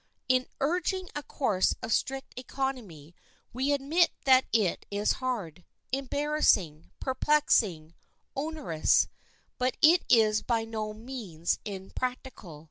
In urging a course of strict economy we admit that it is hard, embarrassing, perplexing, onerous, but it is by no means impracticable.